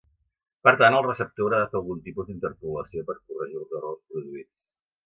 Per tant, el receptor haurà de fer algun tipus d'interpolació per corregir els errors produïts.